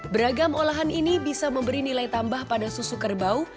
beragam olahan ini bisa memberi nilai tambah pada susu kerbau